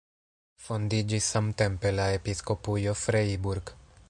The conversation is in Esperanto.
Fondiĝis samtempe la Episkopujo Freiburg.